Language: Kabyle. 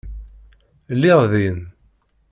Lliɣ din.